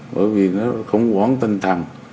bởi vì nó không quán tinh thần